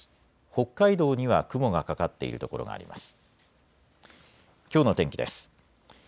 北海道には雲がかかっている所があります。